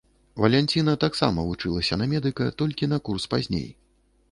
Валянціна таксама вучылася на медыка, толькі на курс пазней.